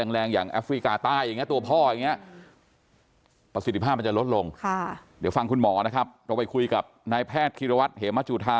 เดี๋ยวฟังคุณหมอนะครับเราไปคุยกับนายแพทย์ธิรวัตรเหมจุธา